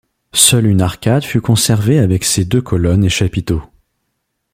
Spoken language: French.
Seule une arcade fut conservée avec ses deux colonnes et chapiteaux.